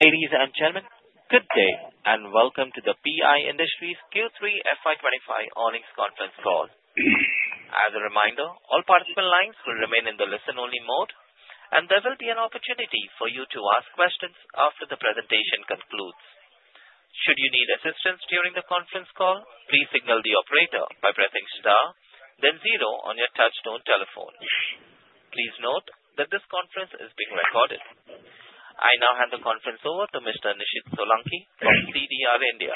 Ladies and gentlemen, good day and welcome to the PI Industries Q3 FY 2025 Earnings conference call. As a reminder, all participant lines will remain in the listen-only mode, and there will be an opportunity for you to ask questions after the presentation concludes. Should you need assistance during the conference call, please signal the operator by pressing star, then zero on your touch-tone telephone. Please note that this conference is being recorded. I now hand the conference over to Mr. Nishid Solanki from CDR India.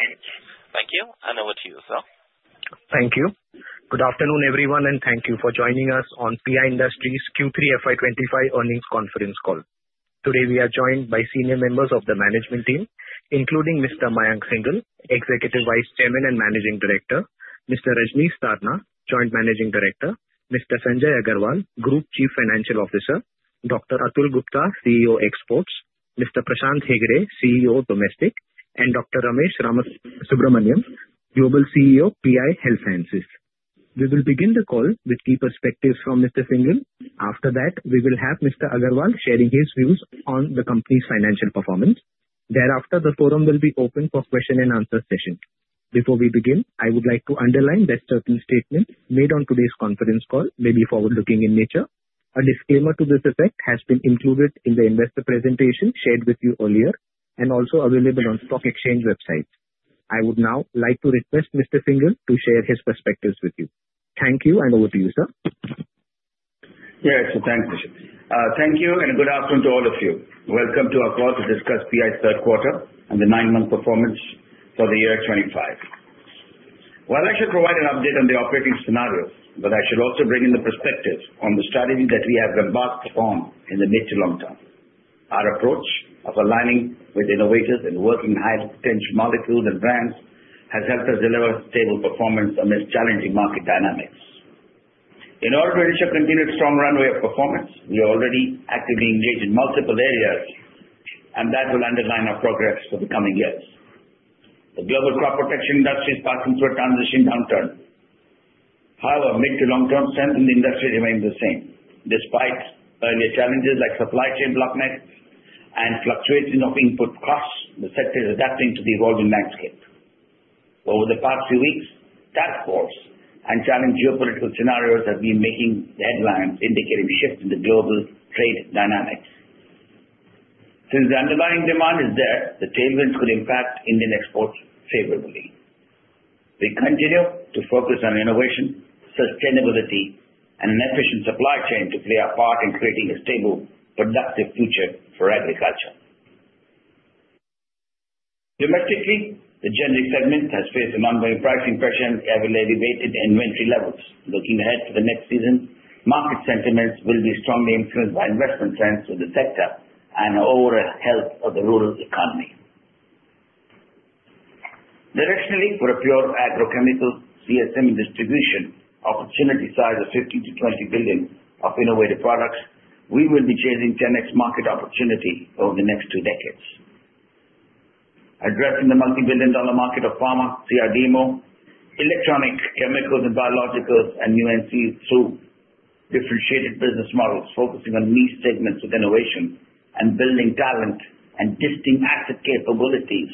Thank you, and over to you, sir. Thank you. Good afternoon, everyone, and thank you for joining us on PI Industries Q3 FY 2025 Earnings conference call. Today, we are joined by senior members of the management team, including Mr. Mayank Singhal, Executive Vice Chairman and Managing Director, Mr. Rajnish Sarna, Joint Managing Director, Mr. Sanjay Agarwal, Group Chief Financial Officer, Dr. Atul Gupta, CEO, Exports, Mr. Prashant Hegde, CEO, Domestic, and Dr. Ramesh Subramanian, Global CEO, PI Health Sciences. We will begin the call with key perspectives from Mr. Singhal. After that, we will have Mr. Agarwal sharing his views on the company's financial performance. Thereafter, the forum will be open for question-and-answer sessions. Before we begin, I would like to underline that certain statements made on today's conference call may be forward-looking in nature. A disclaimer to this effect has been included in the investor presentation shared with you earlier and also available on stock exchange websites. I would now like to request Mr. Singhal to share his perspectives with you. Thank you, and over to you, sir. Yes, thank you. Thank you, and good afternoon to all of you. Welcome to our call to discuss PI's third quarter and the nine-month performance for the year 2025. While I should provide an update on the operating scenarios, I should also bring in the perspectives on the strategy that we have embarked upon in the mid to long term. Our approach of aligning with innovators and working high-potential molecules and brands has helped us deliver stable performance amidst challenging market dynamics. In order to ensure a continued strong runway of performance, we are already actively engaged in multiple areas, and that will underline our progress for the coming years. The global crop protection industry is passing through a transition downturn. However, mid to long-term strength in the industry remains the same. Despite earlier challenges like supply chain bottlenecks and fluctuation of input costs, the sector is adapting to the evolving landscape. Over the past few weeks, tariffs and challenge geopolitical scenarios have been making headlines, indicating a shift in the global trade dynamics. Since the underlying demand is there, the tailwinds could impact Indian exports favorably. We continue to focus on innovation, sustainability, and an efficient supply chain to play a part in creating a stable, productive future for agriculture. Domestically, the generic segment has faced an ongoing pricing pressure and ever-elevated inventory levels. Looking ahead to the next season, market sentiments will be strongly influenced by investment trends in the sector and overall health of the rural economy. Directionally, for a pure agrochemical CSM distribution opportunity size of $15 billion-$ 20 billion of innovative products, we will be chasing 10x market opportunity over the next two decades. Addressing the multi-billion-dollar market of pharma, CRDMO, electronic chemicals, and biologicals, and new NCEs through differentiated business models focusing on niche segments with innovation and building talent and distinct asset capabilities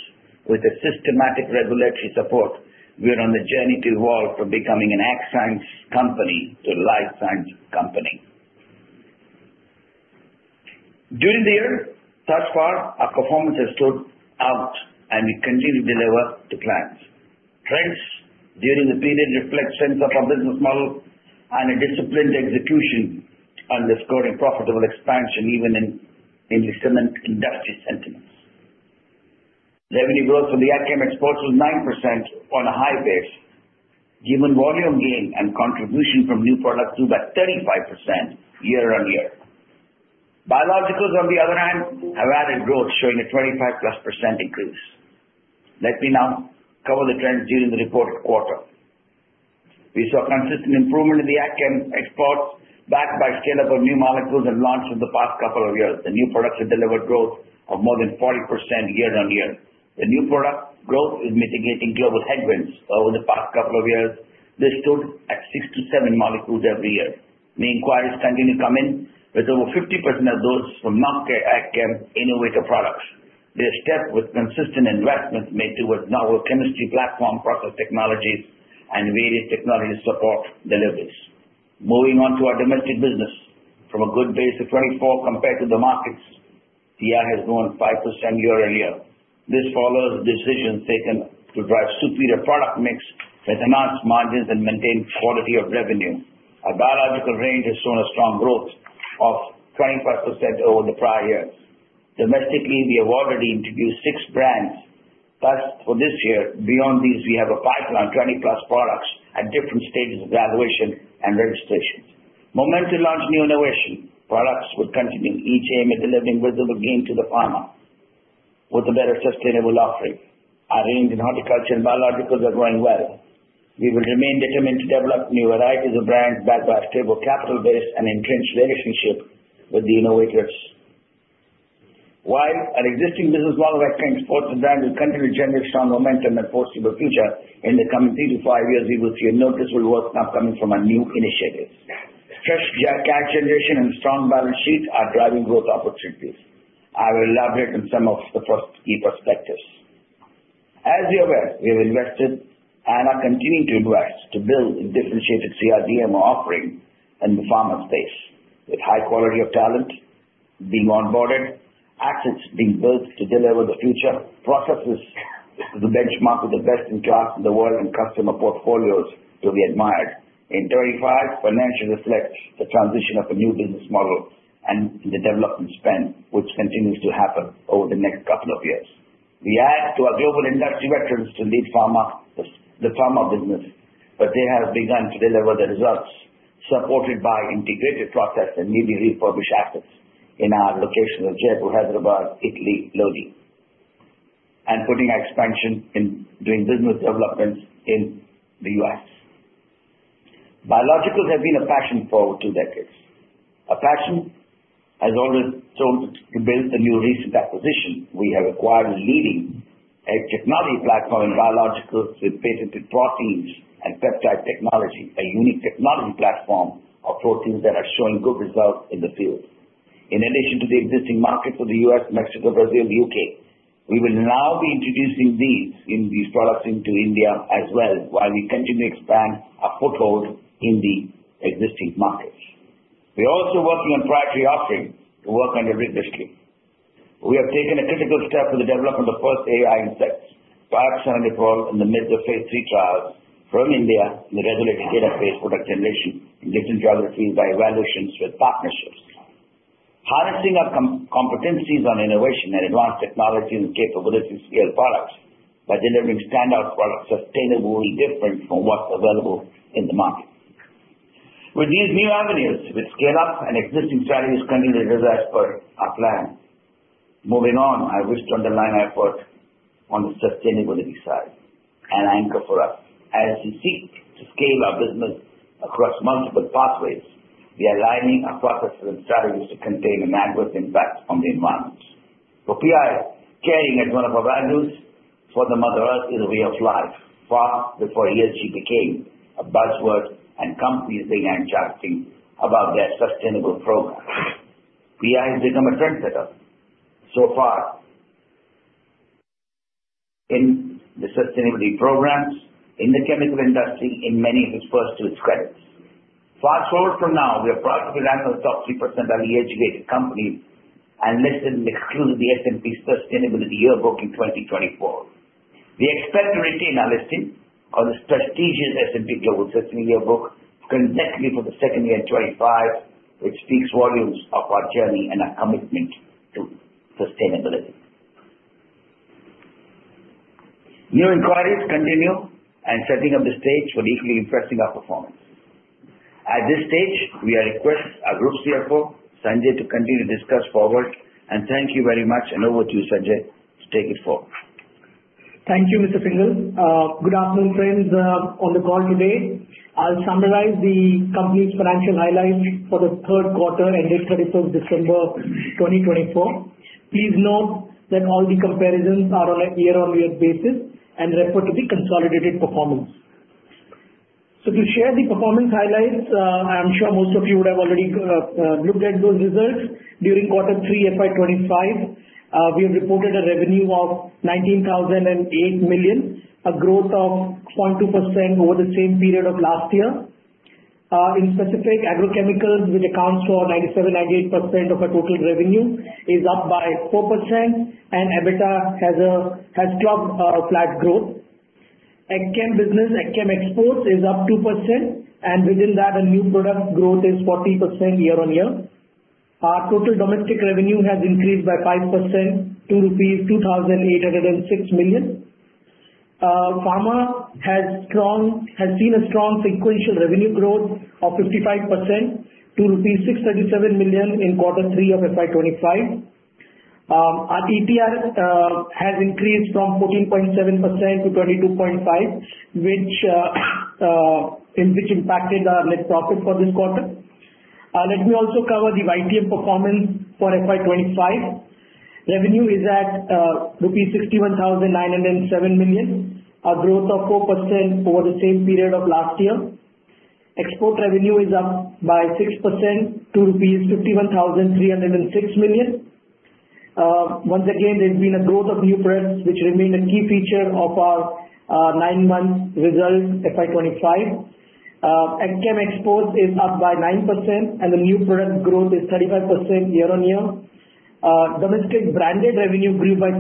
with a systematic regulatory support, we are on the journey to evolve from becoming an AgScience company to a life science company. During the year thus far, our performance has stood out, and we continue to deliver to clients. Trends during the period reflect strengths of our business model and a disciplined execution underscoring profitable expansion even in industry sentiments. Revenue growth for the agchem exports was 9% on a high base, given volume gain and contribution from new products to about 35% year-on-year. Biologicals, on the other hand, have added growth, showing a 25+% increase. Let me now cover the trends during the reported quarter. We saw consistent improvement in the agchem exports backed by the scale-up of new molecules and launched in the past couple of years. The new products have delivered growth of more than 40% year-on-year. The new product growth is mitigating global headwinds. Over the past couple of years, this stood at six to seven molecules every year. New inquiries continue to come in, with over 50% of those from non-agchem innovative products. This stems from consistent investments made towards novel chemistry platform, process technologies, and various technology support deliveries. Moving on to our domestic business, from a good base of 2024 compared to the markets, PI has grown 5% year-on-year. This follows decisions taken to drive superior product mix with enhanced margins and maintained quality of revenue. Our biological range has shown a strong growth of 25% over the prior years. Domestically, we have already introduced six brands. Thus, for this year, beyond these, we have a pipeline of 20-plus products at different stages of evaluation and registration. Momentum to launch new innovative products would continue, each aimed at delivering visible gains to the farmer with a better sustainable offering. Our range in horticulture and biologicals is growing well. We will remain determined to develop new varieties of brands backed by a stable capital base and entrenched relationship with the innovators. While our existing business model of AgChem exports and brands will continue to generate strong momentum and a formidable future, in the coming three to five years, we will see a noticeable revenue now coming from our new initiatives. Fresh cash generation and strong balance sheet are driving growth opportunities. I will elaborate on some of the key perspectives. As you're aware, we have invested and are continuing to invest to build a differentiated CRDMO offering in the pharma space, with high quality of talent being onboarded, assets being built to deliver the future, processes to benchmark with the best-in-class in the world, and customer portfolios to be admired. In 2025, financials reflect the transition of a new business model and the development spend, which continues to happen over the next couple of years. We add to our global industry veterans to lead the pharma business, but they have begun to deliver the results, supported by integrated process and newly refurbished assets in our location of Jaipur, Hyderabad, Italy, Lodi, and putting our expansion in doing business developments in the U.S. Biologicals have been a passion for over two decades. A passion has always told us to build a new recent acquisition. We have acquired a leading technology platform in biologicals with patented proteins and peptide technology, a unique technology platform of proteins that are showing good results in the field. In addition to the existing markets of the U.S., Mexico, Brazil, and the U.K., we will now be introducing these products into India as well, while we continue to expand our foothold in the existing markets. We are also working on proprietary offerings to work under rigorous scrutiny. We have taken a critical step for the development of first AI insecticide, 'Pioxaniliprole', in the midst of phase III trials from India in the regulated database product generation in different geographies by evaluations with partnerships, harnessing our competencies on innovation and advanced technology and capability-scale products by delivering standout products sustainably different from what's available in the market. With these new avenues, we scale up and existing strategies continue to assist our plan. Moving on, I wish to underline our effort on the sustainability side and an anchor for us. As we seek to scale our business across multiple pathways, we are aligning our processes and strategies to contain an adverse impact on the environment. For PI, caring as one of our values for the Mother Earth is a way of life, far before ESG became a buzzword and companies began chatting about their sustainable program. PI has become a trendsetter thus far in the sustainability programs, in the chemical industry, in many of its firsts to its credit. Fast forward to now, we are proud to be ranked in the top 3% of ESG-weighted companies and included in the S&P Sustainability Yearbook in 2024. We expect to retain our listing on the prestigious S&P Global Sustainability Yearbook, consecutive for the second year in 2025, which speaks volumes of our journey and our commitment to sustainability. New inquiries continue, setting up the stage for the equally impressive performance. At this stage, we request our Group CFO, Sanjay, to continue to discuss forward, and thank you very much, and over to you, Sanjay, to take it forward. Thank you, Mr. Singhal. Good afternoon, friends on the call today. I'll summarize the company's financial highlights for the third quarter ending 31st December 2024. Please note that all the comparisons are on a year-on-year basis and refer to the consolidated performance. So to share the performance highlights, I'm sure most of you would have already looked at those results. During quarter three FY 2025, we have reported a revenue of 19,008 million, a growth of 0.2% over the same period of last year. Specifically, agrochemicals, which accounts for 97%-98% of our total revenue, is up by 4%, and EBITDA has clocked flat growth. AgChem business, AgChem exports, is up 2%, and within that, a new product growth is 40% year-on-year. Our total domestic revenue has increased by 5% to INR 2,806 million. Pharma has seen a strong sequential revenue growth of 55% to rupees 637 million in quarter three of FY 2025. Our ETR has increased from 14.7%-22.5%, which impacted our net profit for this quarter. Let me also cover the YTD performance for FY 2025. Revenue is at rupees 61,907 million, a growth of 4% over the same period of last year. Export revenue is up by 6% to rupees 51,306 million. Once again, there's been a growth of new products, which remained a key feature of our nine-month result FY 2025. AgChem exports is up by 9%, and the new product growth is 35% year-on-year. Domestic branded revenue grew by 3%,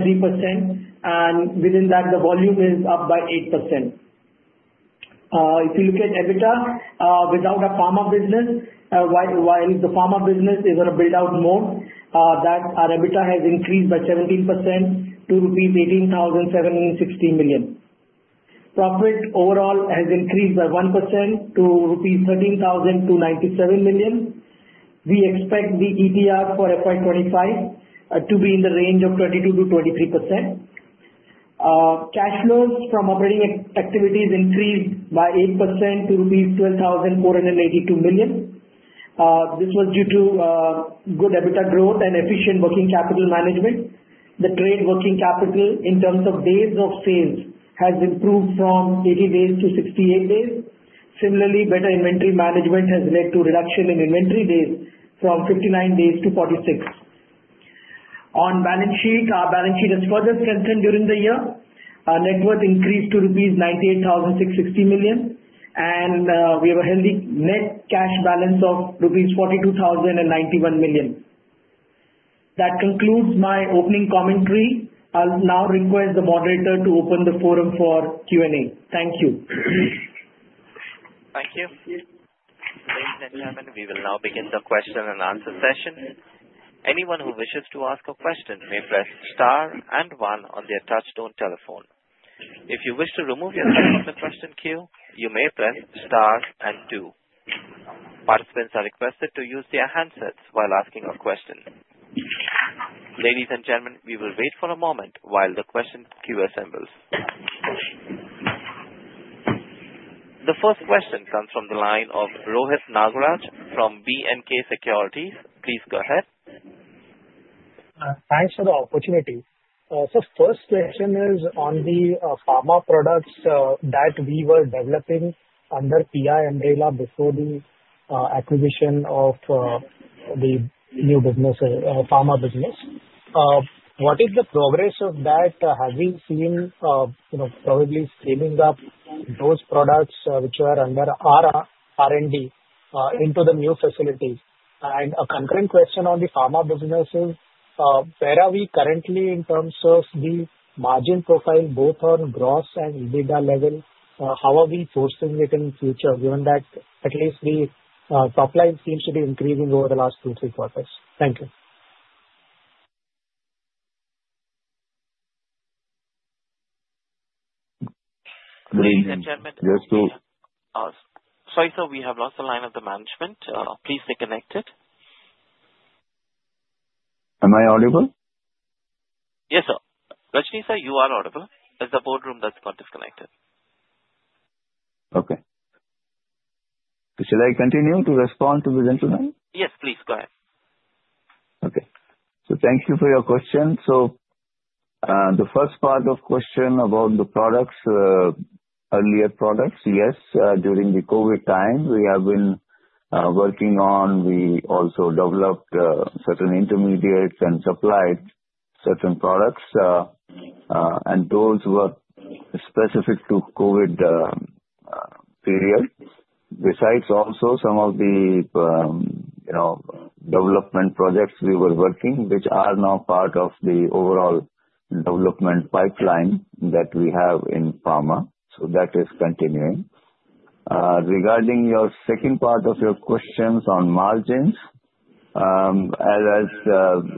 and within that, the volume is up by 8%. If you look at EBITDA without our pharma business, while the pharma business is on a build-out mode, our EBITDA has increased by 17% to rupees 18,760 million. Profit overall has increased by 1% to rupees 13,297 million. We expect the ETR for FY 2025 to be in the range of 22%-23%. Cash flows from operating activities increased by 8% to rupees 12,482 million. This was due to good EBITDA growth and efficient working capital management. The trade working capital in terms of days of sales has improved from 80 days to 68 days. Similarly, better inventory management has led to a reduction in inventory days from 59 days to 46. On balance sheet, our balance sheet has further strengthened during the year. Our net worth increased to rupees 98,660 million, and we have a healthy net cash balance of rupees 42,091 million. That concludes my opening commentary. I'll now request the moderator to open the forum for Q&A. Thank you. Thank you. Thank you, ladies and gentlemen. We will now begin the question and answer session. Anyone who wishes to ask a question may press star and one on their touch-tone telephone. If you wish to remove yourself from the question queue, you may press star and two. Participants are requested to use their handsets while asking a question. Ladies and gentlemen, we will wait for a moment while the question queue assembles. The first question comes from the line of Rohit Nagraj from B&K Securities. Please go ahead. Thanks for the opportunity. So first question is on the pharma products that we were developing under PI umbrella before the acquisition of the new pharma business. What is the progress of that? Have we seen probably scaling up those products which are under our R&D into the new facilities? And a concurrent question on the pharma business is, where are we currently in terms of the margin profile, both on gross and EBITDA level? How are we forecasting it in the future, given that at least the top line seems to be increasing over the last two, three quarters? Thank you. Good evening. Gentlemen. Yes, sir. Sorry, sir, we have lost the line of the management. Please stay connected. Am I audible? Yes, sir. Rajnish, you are audible. It's the boardroom that's got disconnected. Okay. Should I continue to respond to the gentleman? Yes, please. Go ahead. Okay. So thank you for your question. So the first part of the question about the products, earlier products, yes, during the COVID time, we have been working on. We also developed certain intermediates and supplied certain products, and those were specific to the COVID period. Besides, also, some of the development projects we were working, which are now part of the overall development pipeline that we have in pharma. So that is continuing. Regarding your second part of your questions on margins, as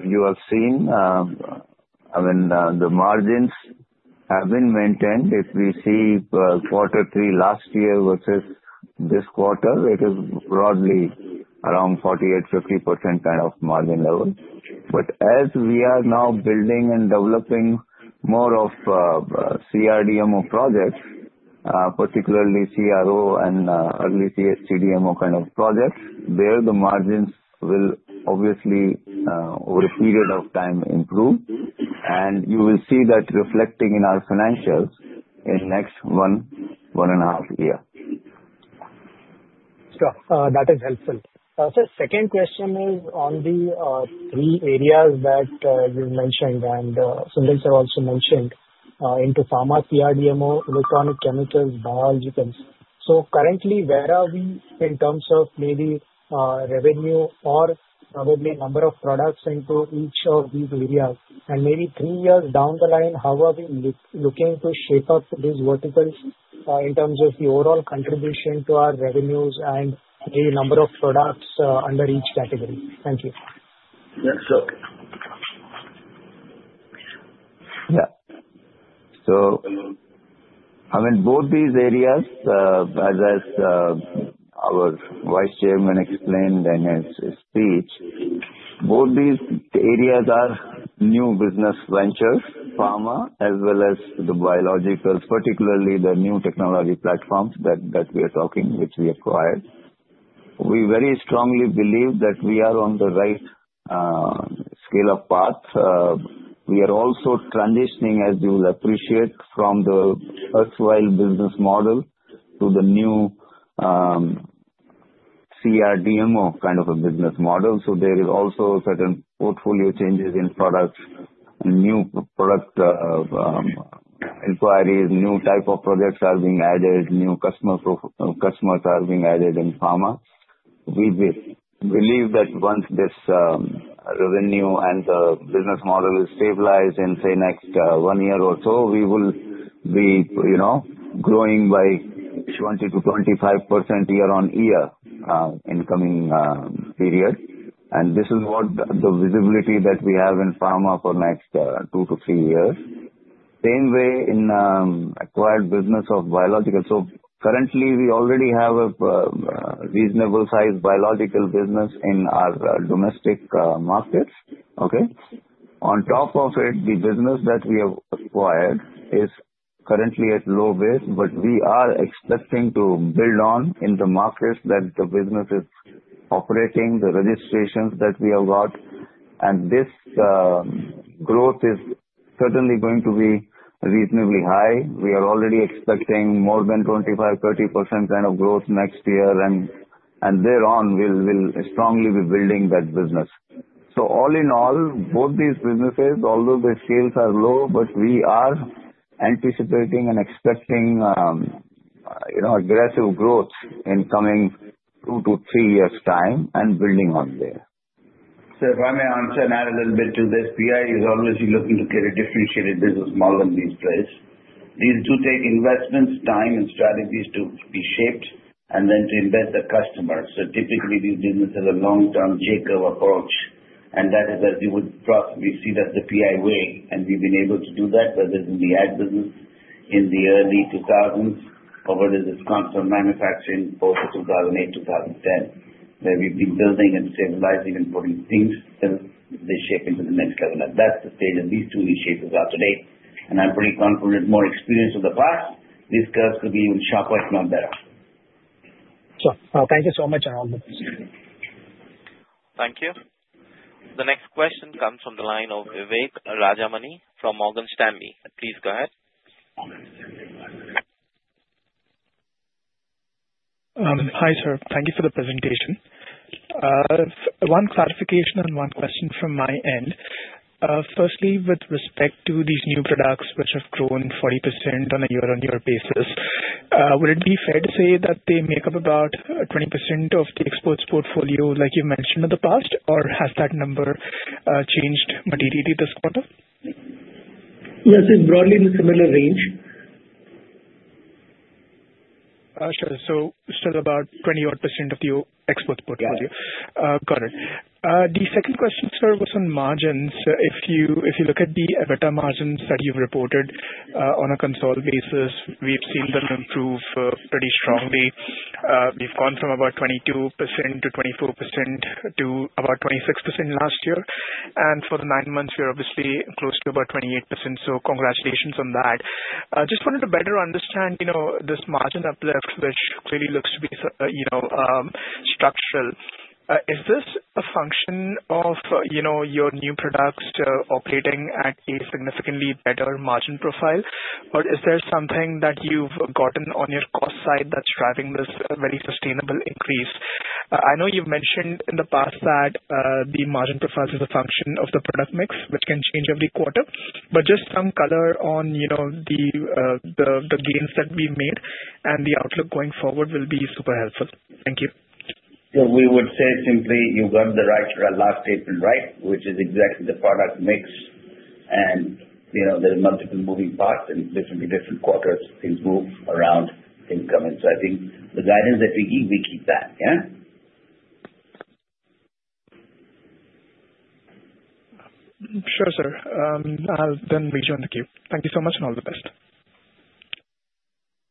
you have seen, I mean, the margins have been maintained. If we see quarter three last year versus this quarter, it is broadly around 48%-50% kind of margin level. But as we are now building and developing more of CRDMO projects, particularly CRO and early CDMO kind of projects, there, the margins will obviously, over a period of time, improve. You will see that reflecting in our financials in the next one and a half years. Sure. That is helpful. So second question is on the three areas that you mentioned, and Singhal sir also mentioned, into pharma, CRDMO, electronic chemicals, biologicals. So currently, where are we in terms of maybe revenue or probably number of products into each of these areas? And maybe three years down the line, how are we looking to shape up these verticals in terms of the overall contribution to our revenues and the number of products under each category? Thank you. Yes, sir. Yeah. So I mean, both these areas, as our Vice Chairman explained in his speech, both these areas are new business ventures, pharma, as well as the biological, particularly the new technology platforms that we are talking, which we acquired. We very strongly believe that we are on the right scale of path. We are also transitioning, as you will appreciate, from the erstwhile business model to the new CRDMO kind of a business model. So there is also certain portfolio changes in products, new product inquiries, new type of projects are being added, new customers are being added in pharma. We believe that once this revenue and the business model is stabilized in, say, next one year or so, we will be growing by 20%-25% year-on-year in the coming period. And this is what the visibility that we have in pharma for the next two to three years. Same way in acquired business of biological. So currently, we already have a reasonable-sized biological business in our domestic markets. Okay? On top of it, the business that we have acquired is currently at low base, but we are expecting to build on in the markets that the business is operating, the registrations that we have got. And this growth is certainly going to be reasonably high. We are already expecting more than 25%, 30% kind of growth next year, and thereon, we'll strongly be building that business. So all in all, both these businesses, although the scales are low, but we are anticipating and expecting aggressive growth in the coming two to three years' time and building on there. So if I may answer that a little bit to this, PI is always looking to create a differentiated business model in these plays. These do take investments, time, and strategies to be shaped and then to embed the customers. So typically, these businesses have a long-term J-curve approach, and that is, as you would probably see, that's the PI way. And we've been able to do that, whether it's in the ag business in the early 2000s or whether it's custom manufacturing post-2008, 2010, where we've been building and stabilizing and putting things to the shape into the next level. And that's the state of these two initiatives are today. And I'm pretty confident with more experience in the past, these curves could be even sharper if not better. Sure. Thank you so much on all the questions. Thank you. The next question comes from the line of Vivek Rajamani from Morgan Stanley. Please go ahead. Hi, sir. Thank you for the presentation. One clarification and one question from my end. Firstly, with respect to these new products which have grown 40% on a year-on-year basis, would it be fair to say that they make up about 20% of the exports portfolio like you mentioned in the past, or has that number changed materially this quarter? Yes, it's broadly in a similar range. Sure. So still about 20-odd-percent of the exports portfolio. Yes. Got it. The second question, sir, was on margins. If you look at the EBITDA margins that you've reported on a consolidated basis, we've seen them improve pretty strongly. We've gone from about 22%-24% to about 26% last year. And for the nine months, we're obviously close to about 28%. So congratulations on that. Just wanted to better understand this margin uplift, which clearly looks to be structural. Is this a function of your new products operating at a significantly better margin profile, or is there something that you've gotten on your cost side that's driving this very sustainable increase? I know you've mentioned in the past that the margin profile is a function of the product mix, which can change every quarter. But just some color on the gains that we made and the outlook going forward will be super helpful. Thank you. So, we would say simply, you got the right last statement right, which is exactly the product mix, and there are multiple moving parts, and different-to-different quarters, things move around incoming. So, I think the guidance that we give, we keep that, yeah? Sure, sir. I'll then rejoin the queue. Thank you so much and all the best.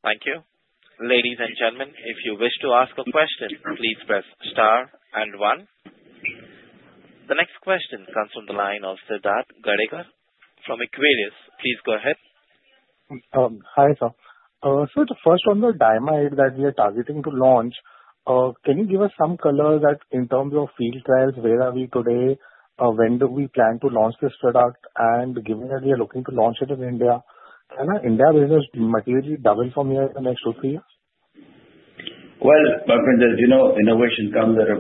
Thank you. Ladies and gentlemen, if you wish to ask a question, please press star and one. The next question comes from the line of Siddharth Gadekar from Equirus. Please go ahead. Hi, sir. So the first on the diamide that we are targeting to launch, can you give us some color that in terms of field trials, where are we today? When do we plan to launch this product? And given that we are looking to launch it in India, can our India business materially double from here in the next two-to-three years? As you know, innovation comes at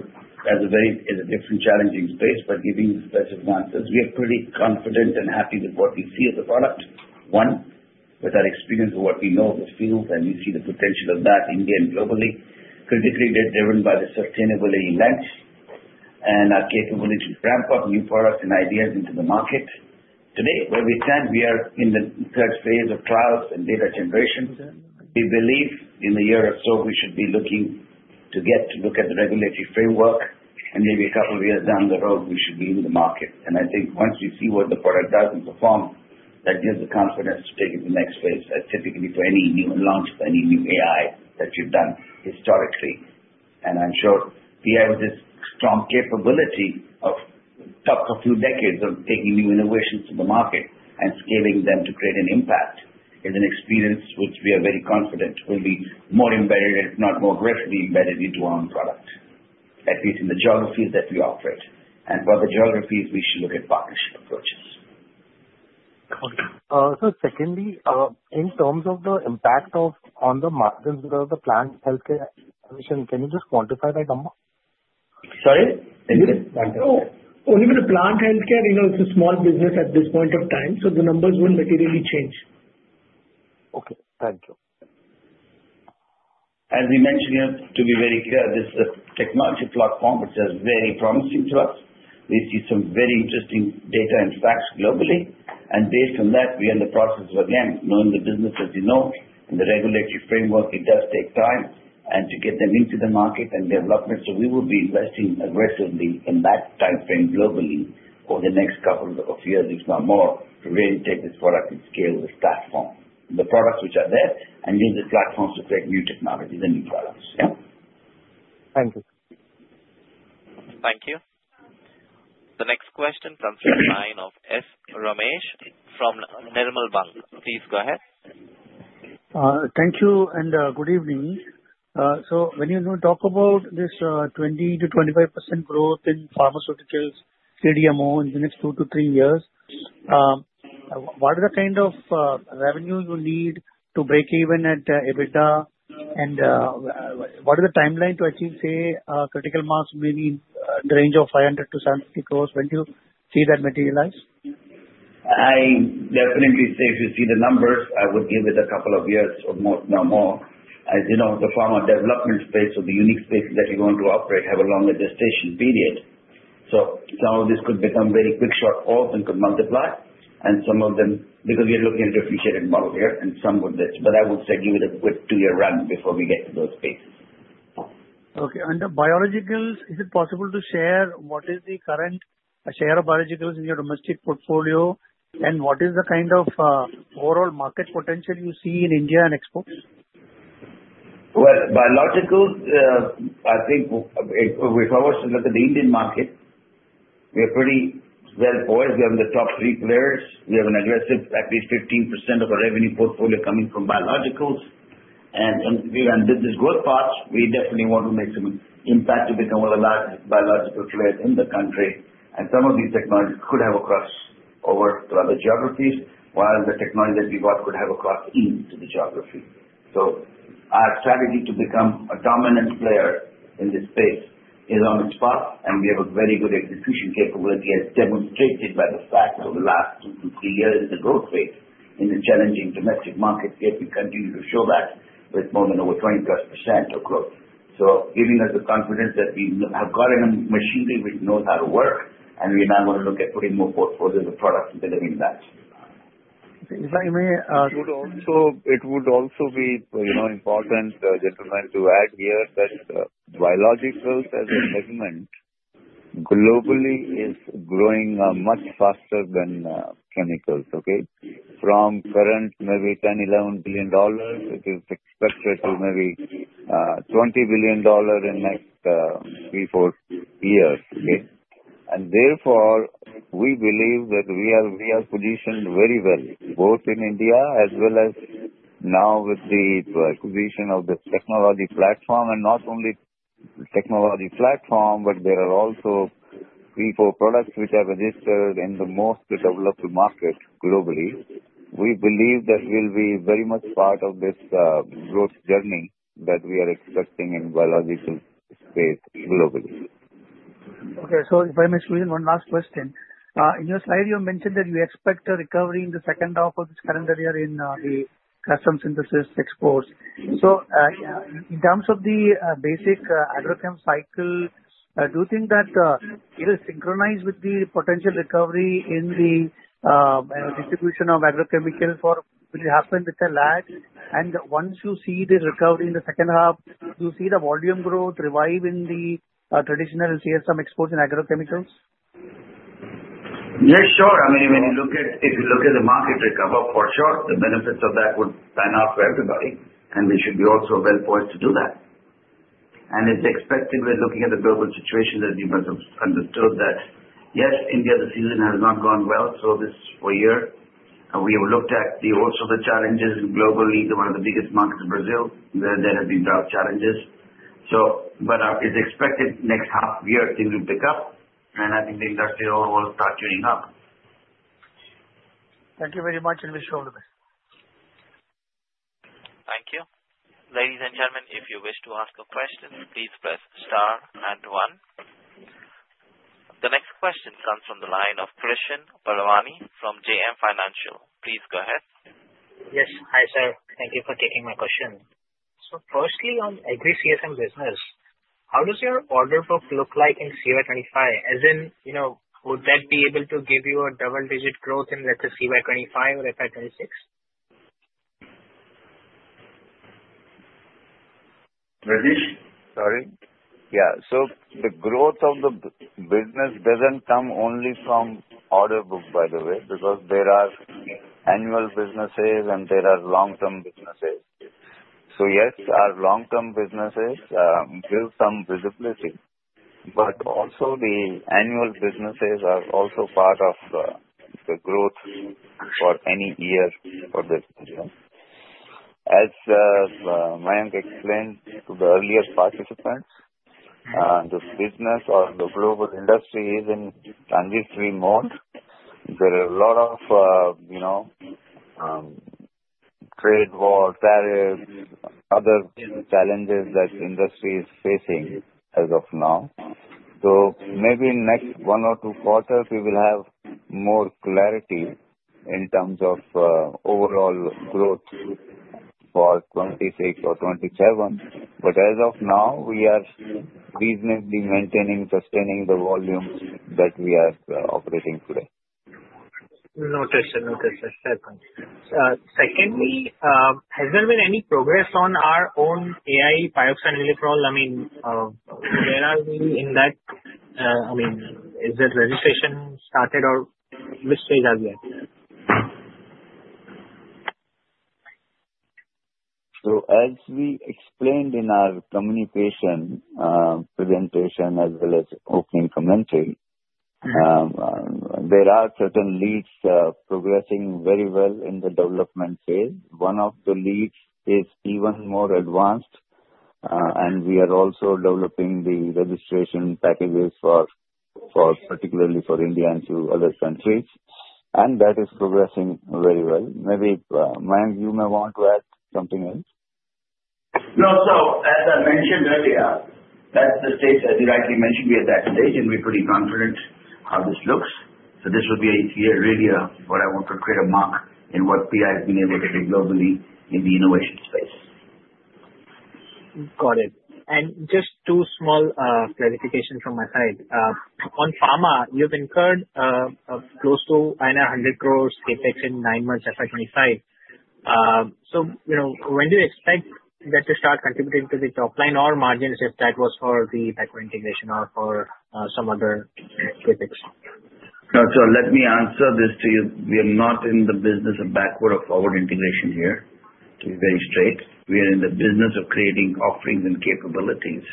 a very different challenging space, but giving you specific answers, we are pretty confident and happy with what we see as a product. One, with our experience of what we know of the field, and we see the potential of that in India and globally, critically driven by the sustainability lens and our capability to ramp up new products and ideas into the market. Today, where we stand, we are in the third phase of trials and data generation. We believe in a year or so, we should be looking to get to look at the regulatory framework, and maybe a couple of years down the road, we should be in the market. I think once we see what the product does and performs, that gives us the confidence to take it to the next phase, typically for any new launch, for any new AI that you've done historically. I'm sure we have this strong capability of a few decades of taking new innovations to the market and scaling them to create an impact is an experience which we are very confident will be more embedded, if not more aggressively embedded into our own product, at least in the geographies that we operate. For the geographies, we should look at partnership approaches. So secondly, in terms of the impact on the margins of the Plant Health Care acquisition, can you just quantify that number? Sorry? Oh, only with the Plant Health Care, it's a small business at this point of time, so the numbers won't materially change. Okay. Thank you. As we mentioned here, to be very clear, this is a technology platform which is very promising to us. We see some very interesting data and facts globally, and based on that, we are in the process of, again, knowing the business as you know, and the regulatory framework, it does take time to get them into the market and development, so we will be investing aggressively in that timeframe globally over the next couple of years, if not more, to really take this product and scale this platform, the products which are there, and use the platforms to create new technologies and new products, yeah? Thank you. Thank you. The next question comes from the line of S. Ramesh from Nirmal Bang. Please go ahead. Thank you and good evening, so when you talk about this 20%-25% growth in pharmaceuticals, CDMO in the next two to three years, what are the kind of revenue you need to break even at EBITDA? And what is the timeline to achieve, say, critical mass, maybe in the range of 500-750 crores when you see that materialize? I definitely say, if you see the numbers, I would give it a couple of years or more. As you know, the pharma development space or the unique space that you're going to operate has a longer gestation period. So some of this could become very quick, shortfall, then could multiply, and some of them, because we are looking at differentiated model here, and some would miss, but I would say give it a good two-year run before we get to those spaces. Okay. And biologicals, is it possible to share what is the current share of biologicals in your domestic portfolio, and what is the kind of overall market potential you see in India and exports? Biologicals, I think if I was to look at the Indian market, we are pretty well poised. We are in the top three players. We have an aggressive at least 15% of our revenue portfolio coming from biologicals. And with this growth path, we definitely want to make some impact to become one of the largest biological players in the country. And some of these technologies could have a crossover to other geographies, while the technology that we got could have a cross into the geography. So our strategy to become a dominant player in this space is on its path, and we have a very good execution capability as demonstrated by the fact over the last two to three years in the growth rate in the challenging domestic market. Yet, we continue to show that with more than over 20%+ growth. So giving us the confidence that we have gotten a machinery which knows how to work, and we're now going to look at putting more portfolios of products and delivering that. If I may. It would also be important, gentlemen, to add here that biologicals as a measurement globally is growing much faster than chemicals, okay? From current maybe $10 billion-$11 billion, it is expected to maybe $20 billion in the next three, four years, okay? And therefore, we believe that we are positioned very well, both in India as well as now with the acquisition of the technology platform. And not only the technology platform, but there are also four products which are registered in the most developed market globally. We believe that we'll be very much part of this growth journey that we are expecting in biological space globally. Okay, so if I may squeeze in one last question. In your slide, you mentioned that you expect a recovery in the second half of this calendar year in the custom synthesis exports, so in terms of the basic agrochemical cycle, do you think that it will synchronize with the potential recovery in the distribution of agrochemicals or will it happen with the lag? And once you see the recovery in the second half, do you see the volume growth revive in the traditional CSM exports and agrochemicals? Yes, sure. I mean, if you look at the market recovery for sure, the benefits of that would pan out for everybody, and we should be also well poised to do that, and it's expected, we're looking at the global situation, that we must have understood that, yes, India, the season has not gone well for this year. We have looked at also the challenges globally, one of the biggest markets in Brazil, where there have been drought challenges, but it's expected next half year things will pick up, and I think the industry will start tuning up. Thank you very much, and we shall do this. Thank you. Ladies and gentlemen, if you wish to ask a question, please press star and one. The next question comes from the line of Krishan Parwani from JM Financial. Please go ahead. Yes. Hi, sir. Thank you for taking my question. So firstly, on agri-CSM business, how does your order book look like in CY25? As in, would that be able to give you a double-digit growth in, let's say, CY25 or FY 2026? Sorry? Yeah, so the growth of the business doesn't come only from order book, by the way, because there are annual businesses and there are long-term businesses. So yes, our long-term businesses give some visibility, but also the annual businesses are also part of the growth for any year for this business. As Mayank explained to the earlier participants, the business or the global industry is in transitory mode. There are a lot of trade wars, tariffs, other challenges that the industry is facing as of now, so maybe next one or two quarters, we will have more clarity in terms of overall growth for 2026 or 2027, but as of now, we are reasonably maintaining, sustaining the volume that we are operating today. Noted. Excellent. Secondly, has there been any progress on our own AI Pioxaniliprole? I mean, where are we in that? I mean, is that registration started, or which stage are we at? So as we explained in our communication presentation as well as opening commentary, there are certain leads progressing very well in the development phase. One of the leads is even more advanced, and we are also developing the registration packages for particularly for India and to other countries, and that is progressing very well. Maybe Mayank, you may want to add something else? No. So as I mentioned earlier, that's the stage that you rightly mentioned. We are at that stage, and we're pretty confident how this looks. So this will be really what I want to create a mark in what PI has been able to do globally in the innovation space. Got it. And just two small clarifications from my side. On pharma, you've incurred close to 100 crores CapEx in nine months FY 2025. So when do you expect that to start contributing to the top line or margins, if that was for the backward integration or for some other CapEx? So let me answer this to you. We are not in the business of backward or forward integration here, to be very straight. We are in the business of creating offerings and capabilities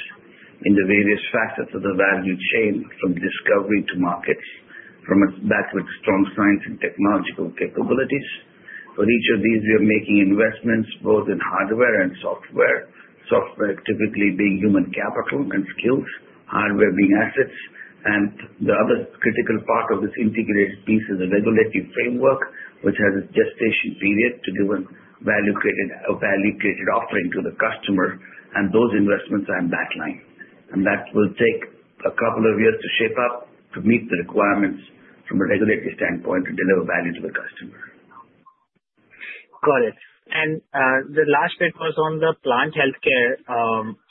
in the various facets of the value chain, from discovery to markets, from backward strong science and technological capabilities. For each of these, we are making investments both in hardware and software, software typically being human capital and skills, hardware being assets. And the other critical part of this integrated piece is a regulatory framework, which has a gestation period to give a value-created offering to the customer. And those investments are in pipeline. And that will take a couple of years to shape up to meet the requirements from a regulatory standpoint to deliver value to the customer. Got it. And the last bit was on the Plant Health Care.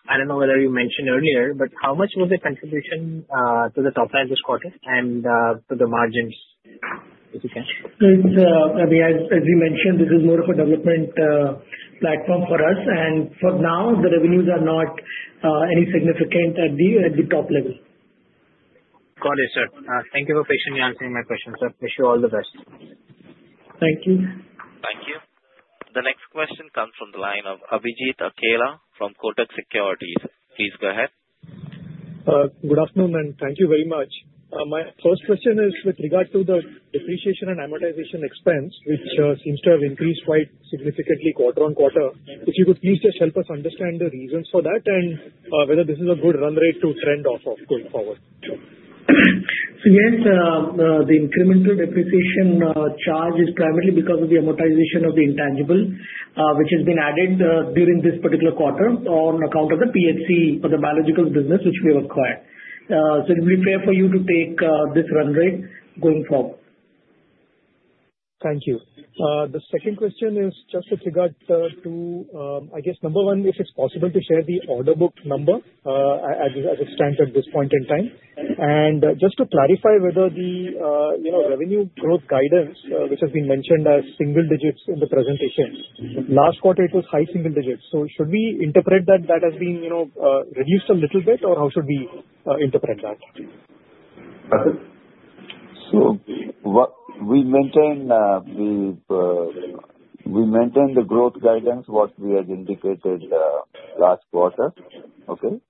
I don't know whether you mentioned earlier, but how much was the contribution to the top line this quarter and to the margins, if you can share? I mean, as you mentioned, this is more of a development platform for us. And for now, the revenues are not any significant at the top level. Got it, sir. Thank you for patiently answering my questions, sir. Wish you all the best. Thank you. Thank you. The next question comes from the line of Abhijit Akella from Kotak Securities. Please go ahead. Good afternoon, and thank you very much. My first question is with regard to the depreciation and amortization expense, which seems to have increased quite significantly quarter on quarter. If you could please just help us understand the reasons for that and whether this is a good run rate to trend off of going forward? So yes, the incremental depreciation charge is primarily because of the amortization of the intangible, which has been added during this particular quarter on account of the PHC for the biological business, which we have acquired. So it would be fair for you to take this run rate going forward. Thank you. The second question is just with regard to, I guess, number one, if it's possible to share the order book number as it stands at this point in time. Just to clarify whether the revenue growth guidance, which has been mentioned as single digits in the presentation, last quarter it was high single digits. Should we interpret that that has been reduced a little bit, or how should we interpret that? So we maintain the growth guidance, what we had indicated last quarter, okay?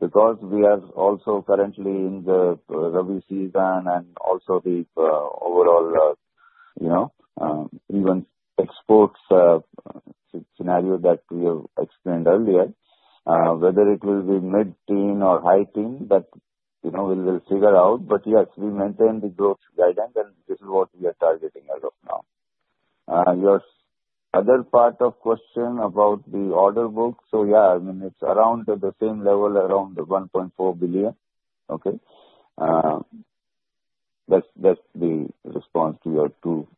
Because we are also currently in the Rabi season and also the overall export scenario that we have explained earlier, whether it will be mid-teen or high-teen, that we will figure out. But yes, we maintain the growth guidance, and this is what we are targeting as of now. Your other part of question about the order book, so yeah, I mean, it's around the same level, around 1.4 billion, okay? That's the response to your two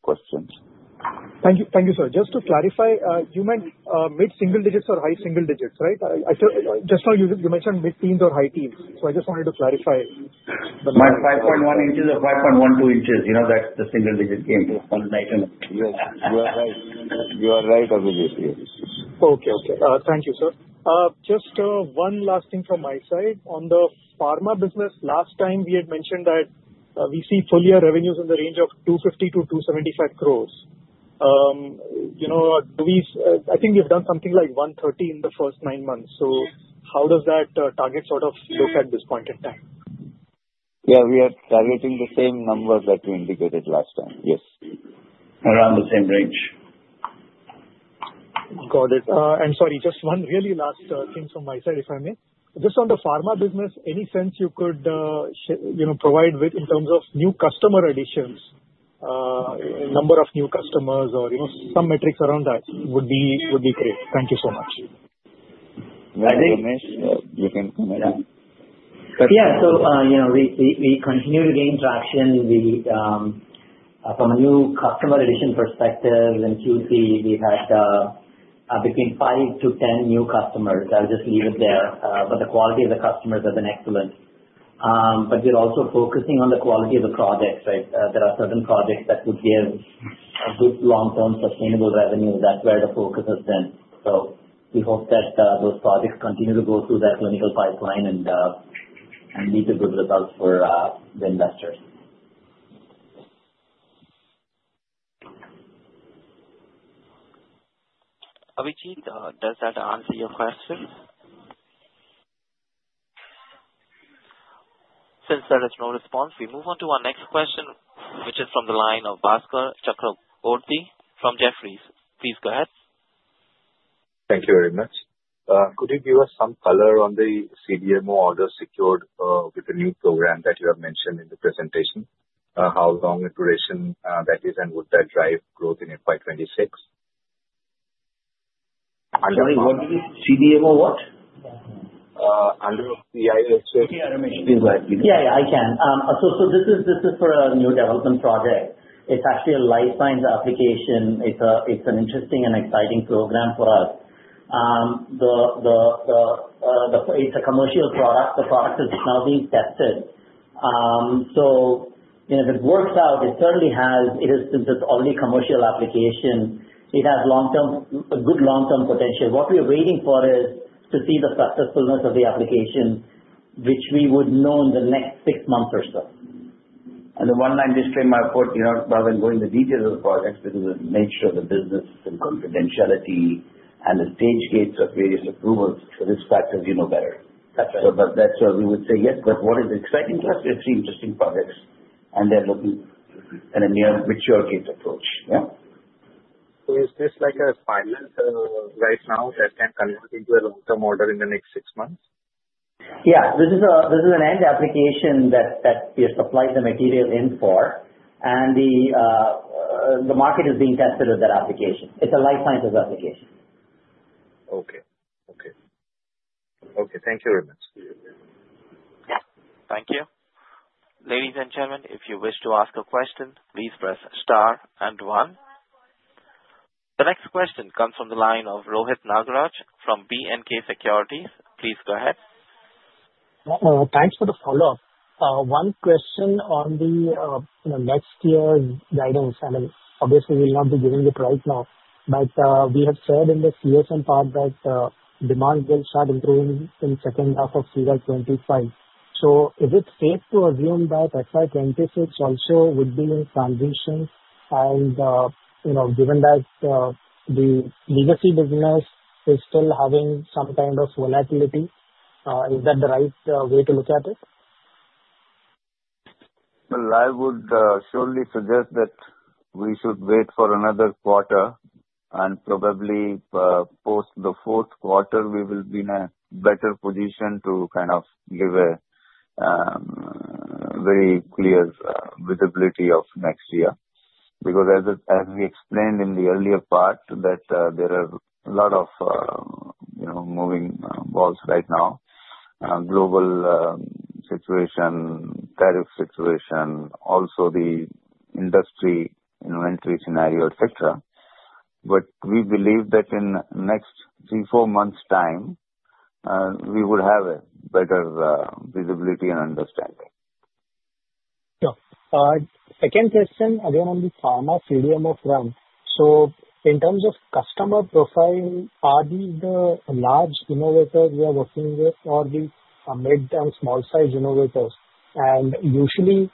questions. Thank you, sir. Just to clarify, you meant mid-single-digits or high-single-digits, right? Just now you mentioned mid-teens or high-teens. So I just wanted to clarify. Mid-single digits or high-single digits, that's the single-digit game. You are right. You are right, Abhijit. Okay. Thank you, sir. Just one last thing from my side. On the pharma business, last time we had mentioned that we see full year revenues in the range of 250-275 crores. I think we've done something like 130 crores in the first nine months. So how does that target sort of look at this point in time? Yeah, we are targeting the same number that we indicated last time. Yes. Around the same range. Got it. And sorry, just one really last thing from my side, if I may. Just on the pharma business, any sense you could provide within terms of new customer additions, number of new customers, or some metrics around that would be great. Thank you so much. Mayank, Ramesh, you can come in. Yeah. So we continue to gain traction from a new customer addition perspective. In Q3, we had between five to 10 new customers. I'll just leave it there. But the quality of the customers has been excellent. But we're also focusing on the quality of the projects, right? There are certain projects that would give good long-term sustainable revenue. That's where the focus has been. So we hope that those projects continue to go through that clinical pipeline and lead to good results for the investors. Abhijit, does that answer your question? Since there is no response, we move on to our next question, which is from the line of Bhaskar Chakraborty from Jefferies. Please go ahead. Thank you very much. Could you give us some color on the CDMO orders secured with the new program that you have mentioned in the presentation? How long the duration that is, and would that drive growth in FY 2026? Actually, what do you mean? CDMO what? Under PI, actually. Go ahead, please. Yeah, yeah, I can. So this is for a new development project. It's actually a life science application. It's an interesting and exciting program for us. It's a commercial product. The product is now being tested. So if it works out, it certainly has since it's only a commercial application, it has a good long-term potential. What we're waiting for is to see the successfulness of the application, which we would know in the next six months or so. And the one line disclaimer I put, rather than going into the details of the project, this is the nature of the business and confidentiality and the stage gates of various approvals. For this factor, you know better. So that's why we would say yes. But what is exciting to us? We have three interesting projects, and they're looking at a near-mature gate approach. Yeah. So is this like a pilot right now that can convert into a long-term order in the next six months? Yeah. This is an end application that we have supplied the material in for, and the market is being tested with that application. It's a life sciences application. Okay. Thank you very much. Thank you. Ladies and gentlemen, if you wish to ask a question, please press star and one. The next question comes from the line of Rohit Nagraj from B&K Securities. Please go ahead. Thanks for the follow-up. One question on the next year's guidance. I mean, obviously, we'll not be giving it right now, but we have said in the CSM part that demand will start improving in the second half of CY25. So is it safe to assume that FY 2026 also would be in transition? And given that the legacy business is still having some kind of volatility, is that the right way to look at it? I would surely suggest that we should wait for another quarter, and probably post the fourth quarter, we will be in a better position to kind of give a very clear visibility of next year. Because as we explained in the earlier part, that there are a lot of moving parts right now: global situation, tariff situation, also the industry inventory scenario, etc. We believe that in the next three, four months' time, we would have a better visibility and understanding. Yeah. Second question, again on the pharma CDMO front. So in terms of customer profile, are these the large innovators we are working with, or these mid- and small-sized innovators? And usually,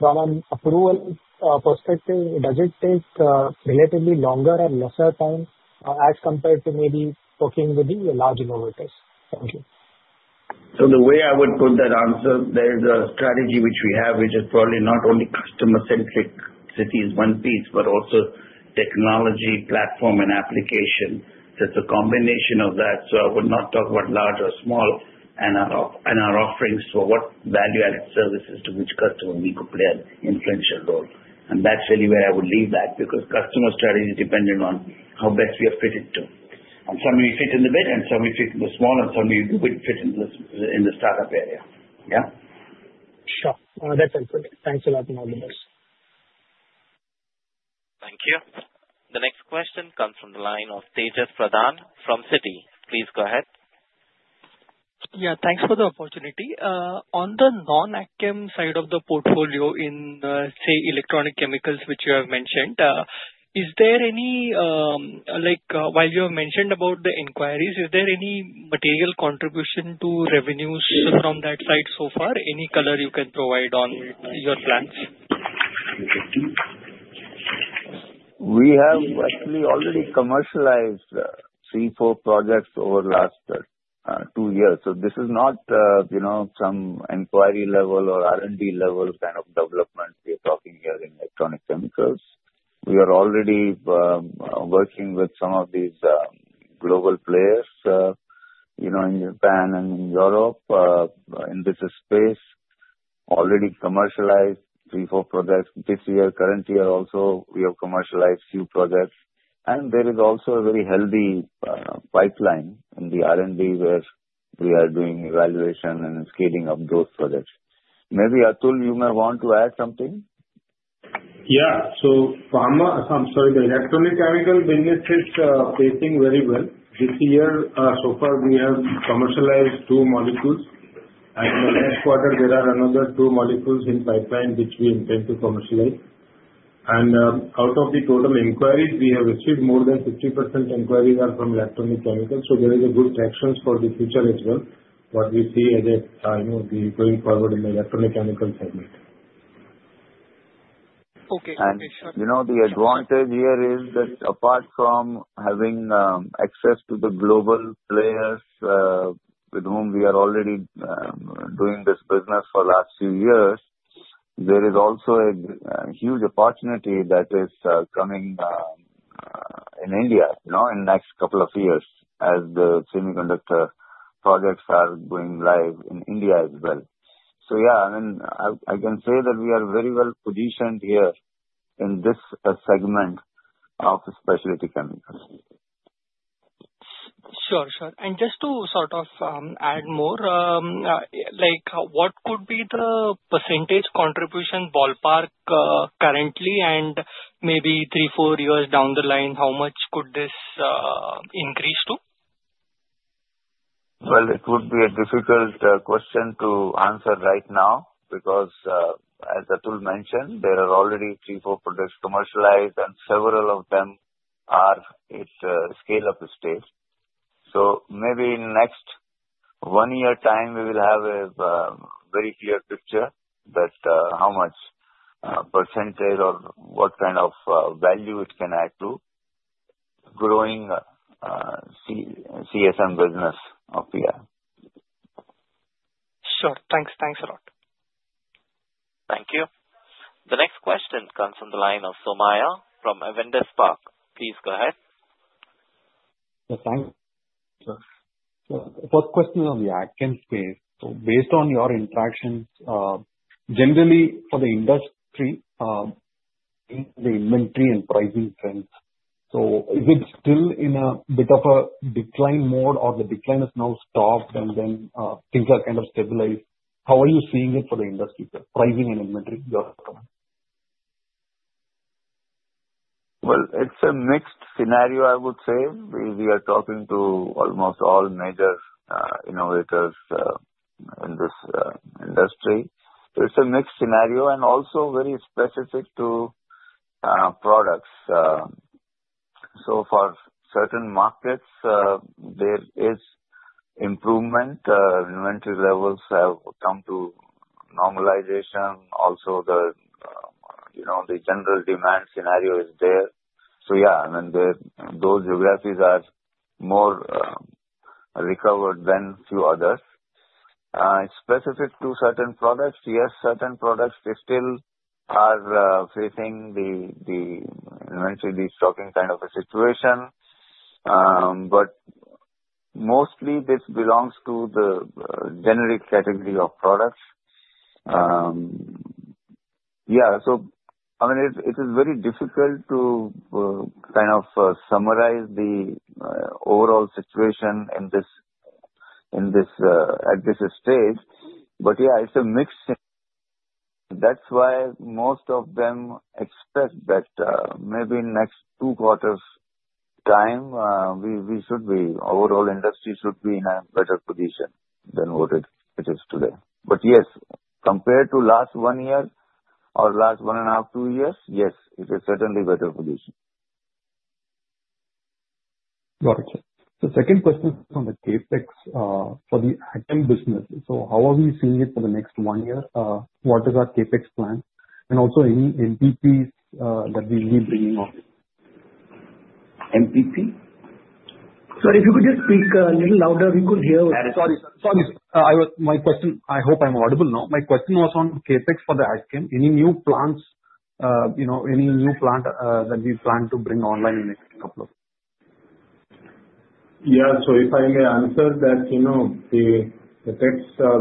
from an approval perspective, does it take relatively longer and lesser time as compared to maybe working with the large innovators? Thank you. So the way I would put that answer, there is a strategy which we have, which is probably not only customer-centric, it's one piece, but also technology, platform, and application. So it's a combination of that. So I would not talk about large or small and our offerings for what value-added services to which customer we could play an influential role. And that's really where I would leave that because customer strategy is dependent on how best we are fitted to. And some we fit in the big, and some we fit in the small, and some we would fit in the startup area. Yeah? Sure. That's excellent. Thanks a lot, Mayank, for this. Thank you. The next question comes from the line of Tejas Pradhan from Citi. Please go ahead. Yeah. Thanks for the opportunity. On the non-AgChem side of the portfolio in, say, electronic chemicals, which you have mentioned, is there any material contribution to revenues from that side so far? Any color you can provide on your plans? We have actually already commercialized three, four projects over the last two years, so this is not some inquiry level or R&D level kind of development we are talking here in electronic chemicals. We are already working with some of these global players in Japan and in Europe in this space, already commercialized three, four projects this year. Current year also, we have commercialized a few projects, and there is also a very healthy pipeline in the R&D where we are doing evaluation and scaling of those projects. Maybe Atul, you may want to add something? Yeah. So pharma. I'm sorry, the electronic chemicals business is faring very well. This year, so far, we have commercialized two molecules. And in the next quarter, there are another two molecules in pipeline which we intend to commercialize. And out of the total inquiries, we have achieved more than 50% inquiries are from electronic chemicals. So there is a good traction for the future as well, what we see at this time going forward in the electronic chemicals segment. Okay. Okay. Sure. The advantage here is that apart from having access to the global players with whom we are already doing this business for the last few years, there is also a huge opportunity that is coming in India in the next couple of years as the semiconductor projects are going live in India as well. Yeah, I mean, I can say that we are very well positioned here in this segment of specialty chemicals. Sure. Sure. And just to sort of add more, what could be the percentage contribution ballpark currently, and maybe three, four years down the line, how much could this increase to? It would be a difficult question to answer right now because, as Atul mentioned, there are already three, four projects commercialized, and several of them are at scale-up stage. So maybe in the next one year's time, we will have a very clear picture that how much percentage or what kind of value it can add to growing CSM business of PI. Sure. Thanks. Thanks a lot. Thank you. The next question comes from the line of Somaiah from Avendus Spark. Please go ahead. Thanks. Sure. First question on the AgChem space. So based on your interactions, generally, for the industry, the inventory and pricing trends, so is it still in a bit of a decline mode, or the decline has now stopped, and then things are kind of stabilized? How are you seeing it for the industry, the pricing and inventory? It's a mixed scenario, I would say. We are talking to almost all major innovators in this industry. So it's a mixed scenario and also very specific to products. So for certain markets, there is improvement. Inventory levels have come to normalization. Also, the general demand scenario is there. So yeah, I mean, those geographies are more recovered than a few others. Specific to certain products, yes, certain products still are facing the inventory restocking kind of a situation. But mostly, this belongs to the generic category of products. Yeah. So I mean, it is very difficult to kind of summarize the overall situation at this stage. But yeah, it's a mix. That's why most of them expressed that maybe next two quarters' time, we should be overall industry should be in a better position than what it is today. But yes, compared to last one year or last one and a half, two years, yes, it is certainly a better position. Got it. The second question is on the CapEx for the AgChem business. So how are we seeing it for the next one year? What is our CapEx plan? And also, any MPPs that we will be bringing on? MPP? Sorry, if you could just speak a little louder, we could hear. Sorry. Sorry. My question, I hope I'm audible now. My question was on CapEx for the AgChem. Any new plants? Any new plant that we plan to bring online in the next couple of? Yeah. So if I may answer that, the CapEx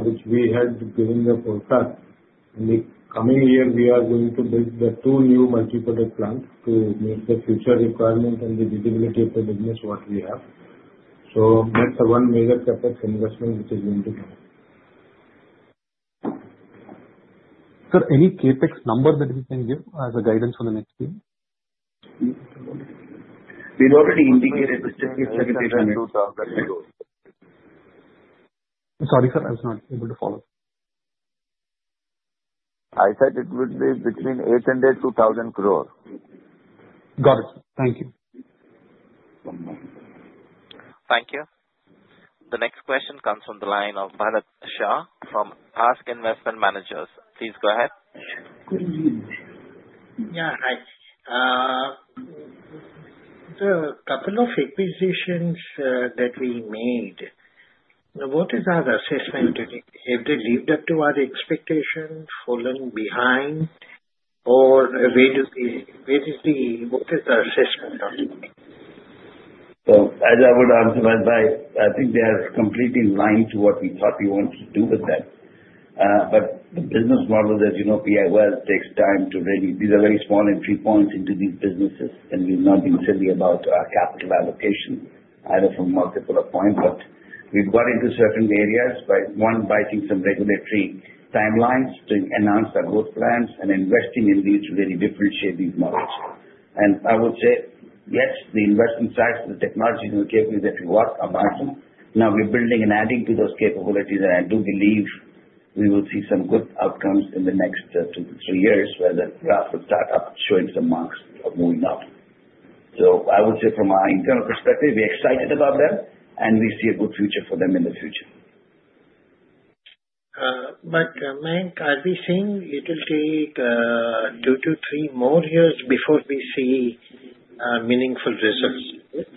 which we had during the forecast, in the coming year, we are going to build the two new multi-product plants to meet the future requirement and the visibility of the business what we have. So that's the one major CapEx investment which is going to come. Sir, any CapEx number that we can give as a guidance for the next year? We've already indicated. It's between INR 800 and INR 2,000 crores. Sorry, sir. I was not able to follow. I said it would be between 800 and 2,000 crores. Got it. Thank you. Thank you. The next question comes from the line of Bharat Shah from ASK Investment Managers. Please go ahead. Yeah. A couple of acquisitions that we made, what is our assessment? Have they lived up to our expectation, fallen behind, or where is the—what is the assessment on it? As I would argue, I think they are completely in line with what we thought we wanted to do with them. The business model, as you know, PI, well, takes time to really, these are very small entry points into these businesses, and we've not been silly about our capital allocation either from multiple points. We've got into certain areas by abiding by some regulatory timelines to announce our growth plans, and investing in these to really differentiate these models. I would say, yes, the investment size and the technology and the capabilities that we work are marginal. Now, we're building and adding to those capabilities, and I do believe we will see some good outcomes in the next two to three years, where the graph will start up showing some marks of moving up. So I would say, from our internal perspective, we're excited about them, and we see a good future for them in the future. But, Mayank, are we seeing it will take two to three more years before we see meaningful results?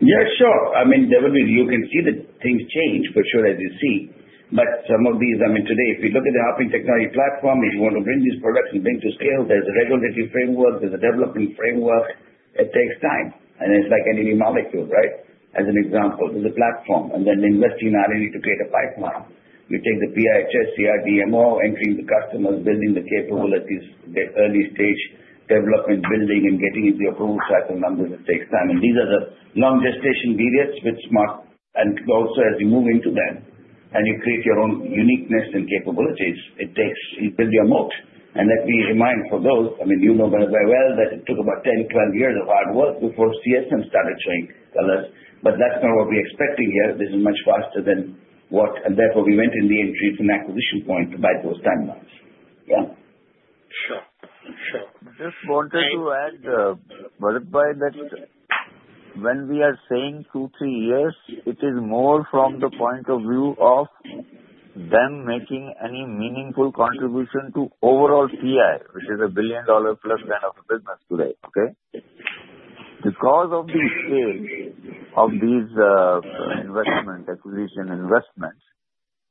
Yes, sure. I mean, you can see that things change for sure, as you see. But some of these, I mean, today, if you look at the Harpin technology platform, if you want to bring these products and bring to scale, there's a regulatory framework. There's a development framework. It takes time. And it's like any molecule, right? As an example, there's a platform, and then investing in R&D to create a pipeline. You take the PIHS, CRDMO, entering the customers, building the capabilities, the early-stage development, building, and getting into the approval cycle numbers. It takes time. And these are the long gestation periods which start, and also, as you move into them and you create your own uniqueness and capabilities, it takes. You build your moat. Let me remind for those, I mean, you know very well that it took about 10, 12 years of hard work before CSM started showing colors. But that's not what we're expecting here. This is much faster than what, and therefore, we went in the entry to an acquisition point to buy those timelines. Yeah? Sure. Sure. Just wanted to add, Bharat Bhai, that when we are saying two, three years, it is more from the point of view of them making any meaningful contribution to overall PI, which is a billion-dollar-plus kind of a business today, okay? Because of the scale of these investment acquisition investments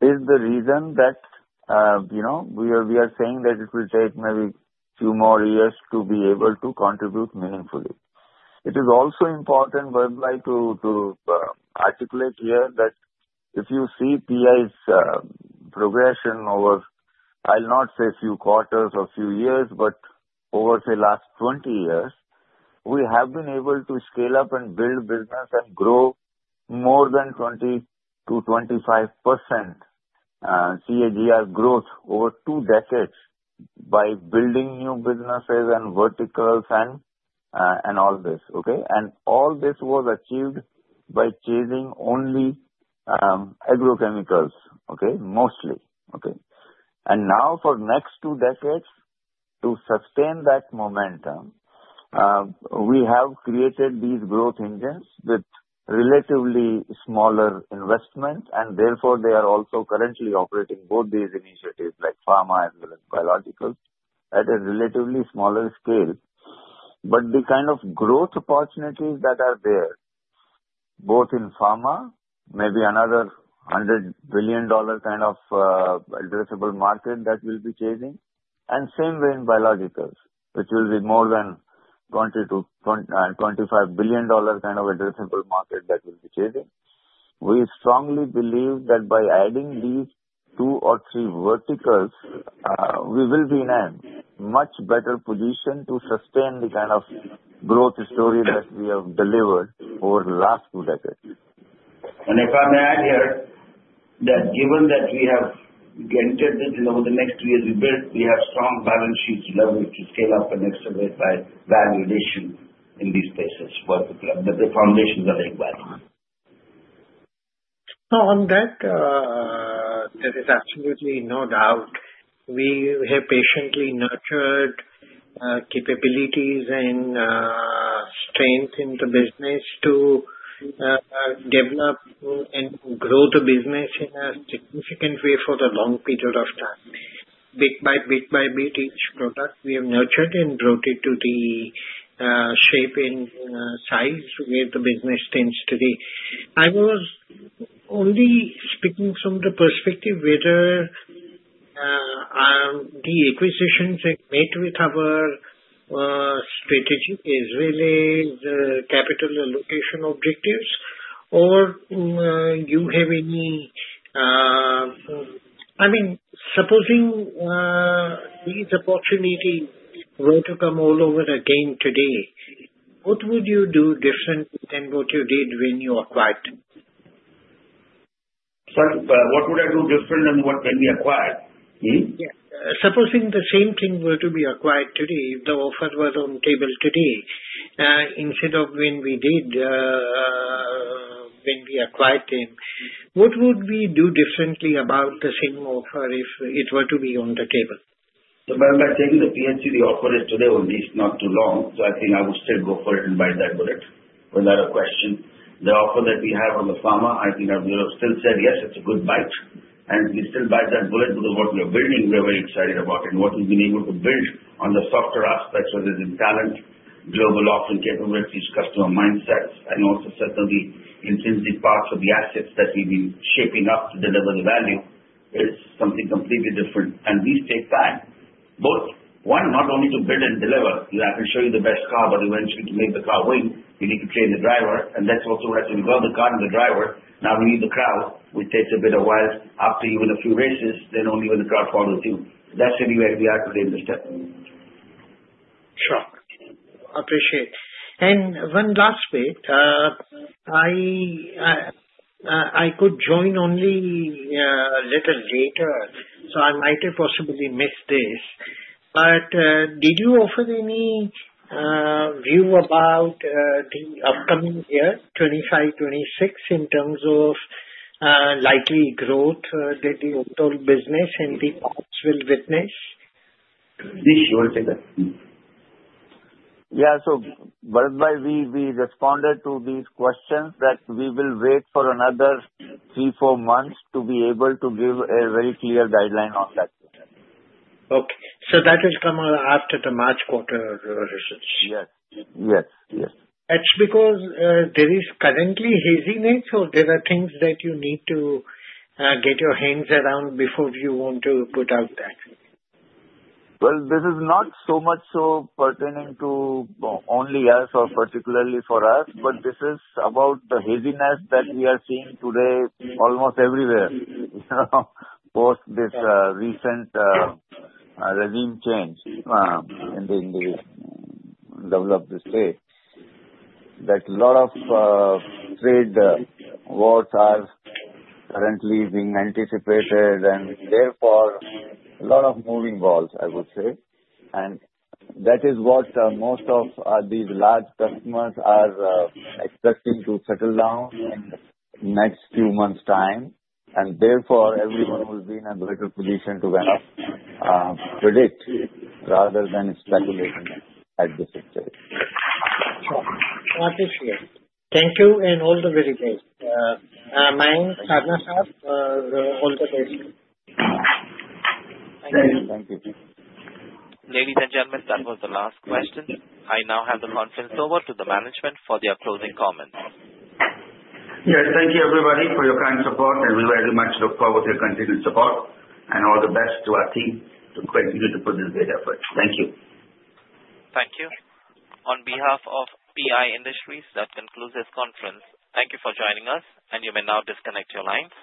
is the reason that we are saying that it will take maybe a few more years to be able to contribute meaningfully. It is also important, Bharat Bhai, to articulate here that if you see PI's progression over, I'll not say a few quarters or a few years, but over the last 20 years, we have been able to scale up and build business and grow more than 20%-25% CAGR growth over two decades by building new businesses and verticals and all this, okay? And all this was achieved by chasing only agrochemicals, okay? Mostly, okay? And now, for the next two decades, to sustain that momentum, we have created these growth engines with relatively smaller investments. And therefore, they are also currently operating both these initiatives like pharma as well as biological at a relatively smaller scale. But the kind of growth opportunities that are there, both in pharma, maybe another $100 billion kind of addressable market that we'll be chasing, and same way in biologicals, which will be more than $20 billion-$25 billion kind of addressable market that we'll be chasing, we strongly believe that by adding these two or three verticals, we will be in a much better position to sustain the kind of growth story that we have delivered over the last two decades. If I may add here that given that we have entered the next year's build, we have strong balance sheet leverage to scale up and accelerate value creation in these places where the foundations are laid well. On that, there is absolutely no doubt. We have patiently nurtured capabilities and strength in the business to develop and grow the business in a significant way for a long period of time. Bit by bit by bit, each product we have nurtured and brought it to the shape and size where the business tends to be. I was only speaking from the perspective whether the acquisitions have met with our strategy as well as capital allocation objectives, or you have any, I mean, supposing these opportunities were to come all over again today, what would you do different than what you did when you acquired? Sorry. What would I do different than when we acquired? Yeah. Supposing the same thing were to be acquired today, if the offer was on the table today instead of when we did, when we acquired them, what would we do differently about the same offer if it were to be on the table? So, Bharat Bhai, taking the PHC we offered it today was at least not too long. So I think I would still go for it and bite that bullet without a question. The offer that we have on the pharma, I think I would still say yes, it's a good bite. And we still bite that bullet because what we are building, we are very excited about. And what we've been able to build on the softer aspects, whether it's in talent, global offering capabilities, customer mindsets, and also certainly intrinsic parts of the assets that we've been shaping up to deliver the value, it's something completely different. And these take time. Both, one, not only to build and deliver. You have to show the best car, but eventually to make the car win, you need to train the driver. That's also what has to be, well, the car and the driver. Now, we need the crowd, which takes a bit of while after even a few races, then only when the crowd follows you. That's really where we are today in the step. Sure. Appreciate it. And one last bit. I could join only a little later, so I might have possibly missed this. But did you offer any view about the upcoming year, 2025, 2026, in terms of likely growth that the overall business and the markets will witness? Please, you want to take that? Yeah. So, Bharat Bhai, we responded to these questions that we will wait for another three, four months to be able to give a very clear guideline on that. Okay. So that will come after the March quarter results? Yes. Yes. Yes. That's because there is currently haziness, or there are things that you need to get your hands around before you want to put out that? This is not so much so pertaining to only us or particularly for us, but this is about the haziness that we are seeing today almost everywhere, post this recent regime change in the developed state, that a lot of trade wars are currently being anticipated. And therefore, a lot of moving balls, I would say. And that is what most of these large customers are expecting to settle down in the next few months' time. And therefore, everyone will be in a better position to kind of predict rather than speculating at this stage. Sure. Appreciate it. Thank you and all the very best. Mayank, Sarna Sahab, all the best. Thank you. Thank you. Ladies and gentlemen, that was the last question. I now hand the conference over to the management for their closing comments. Yes. Thank you, everybody, for your kind support. And we very much look forward to your continued support. And all the best to our team to continue to put in great effort. Thank you. Thank you. On behalf of PI Industries, that concludes this conference. Thank you for joining us, and you may now disconnect your lines.